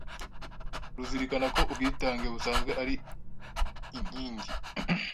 ruzirikana ko ubwitange busanzwe ari inking